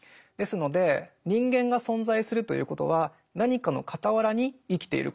ですので人間が存在するということは何かの傍らに生きていること。